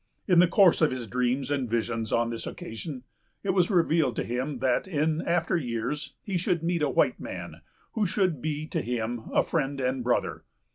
In the course of his dreams and visions on this occasion, it was revealed to him that, in after years, he should meet a white man, who should be to him a friend and brother.